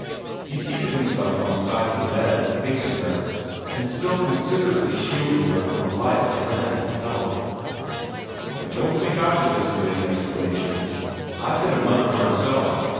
He seated himself on the side of the bed, facing her, and still considerately shielding her from the light of the lamp he held. "But don't think I suggested any explanations. I've been a mother myself.